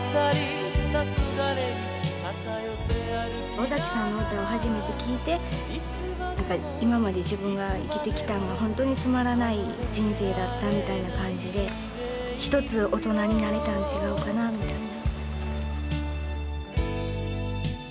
尾崎さんの歌を初めて聴いて今まで自分が生きてきたんがホントにつまらない人生だったみたいな感じで一つ大人になれたん違うかなみたいな。